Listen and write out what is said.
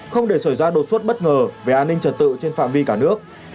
không để xảy ra đột xuất bất ngờ về an ninh trật tự trên phạm vi cả nước